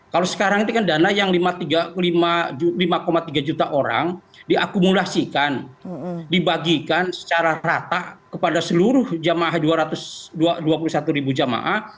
kalau sekarang itu kan dana yang lima tiga juta orang diakumulasikan dibagikan secara rata kepada seluruh jemaah dua ratus dua puluh satu ribu jamaah